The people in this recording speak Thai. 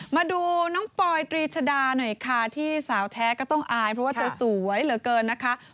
มาดูน้องปอยตรีชดาหน่อยค่ะที่สาวแท้ก็ต้องอายเพราะว่าเธอสวยเหลือเกินนะคะ